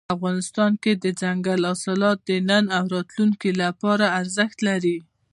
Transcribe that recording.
افغانستان کې دځنګل حاصلات د نن او راتلونکي لپاره ارزښت لري.